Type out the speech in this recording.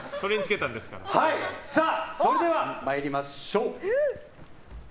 それでは、参りましょう。